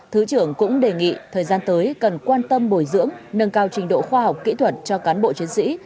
thứ trưởng cũng đề nghị thời gian tới cần quan tâm bồi dưỡng nâng cao trình độ khoa học kỹ thuật cho cán bộ chiến sĩ